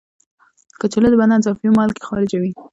کچالو د بدن اضافي مالګې خارجوي.